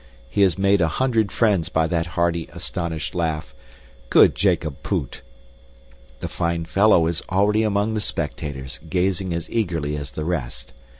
He has made a hundred friends by that hearty, astonished laugh. Good Jacob Poot! The fine fellow is already among the spectators, gazing as eagerly as the rest.